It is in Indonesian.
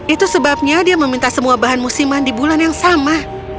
itu sebabnya dia meminta semua bahan musiman di bulan yang sama